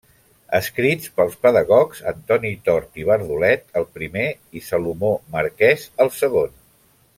Escrits pels pedagogs Antoni Tort i Bardolet el primer, i Salomó Marquès el segon.